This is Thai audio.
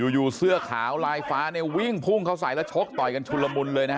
อยู่เสื้อขาวลายฟ้าเนี่ยวิ่งพุ่งเข้าใส่แล้วชกต่อยกันชุนละมุนเลยนะฮะ